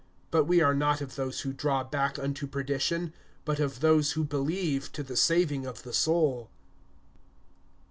(39)But we are not of those who draw back unto perdition; but of those who believe to the saving of the soul.